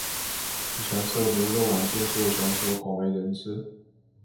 以传授牛若丸剑术的传说广为人知。